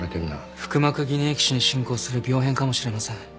腹膜偽粘液腫に進行する病変かもしれません。